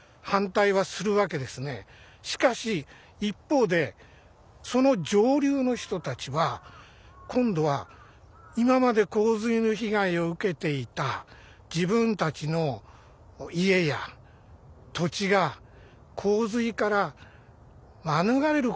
しかし一方でその上流の人たちは今度は今まで洪水の被害を受けていた自分たちの家や土地が洪水から免れることができる。